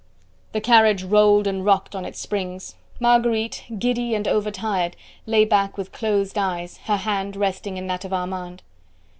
The carriage rolled and rocked on its springs; Marguerite, giddy and overtired, lay back with closed eyes, her hand resting in that of Armand.